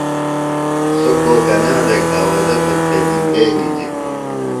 سوۡ کوکنا بھےۡ گھاوزہ تھےۡ پھدِیۡ بھینگیۡ جِتیۡ۔